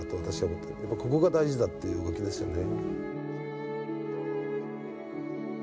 ここが大事だっていう動きですよね。